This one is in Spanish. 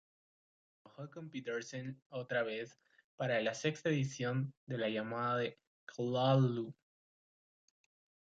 Trabajó con Petersen otra vez para la sexta edición de "La llamada de Cthulhu.